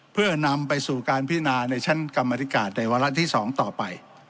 เพื่อนำไปสู่การพินาในชั้นกรรมธิการในวาระที่๒ต่อไป